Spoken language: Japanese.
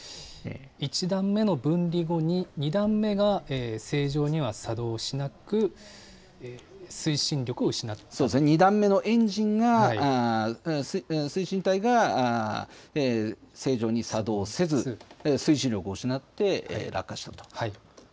１段目の分離後に、２段目が正常には作動しなく、推進力を失そうですね、２段目のエンジンが、推進体が正常に作動せず、推進力を失って落下したと。